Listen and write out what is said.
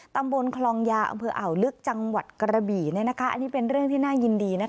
ตำบลคลองยาอำเภออ่าวลึกจังหวัดกระบี่อันนี้เป็นเรื่องที่น่ายินดี